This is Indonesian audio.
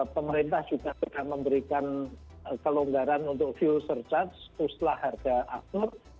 pemerintah juga sudah memberikan kelonggaran untuk user charge setelah harga aftur